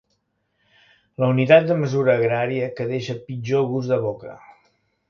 La unitat de mesura agrària que deixa pitjor gust de boca.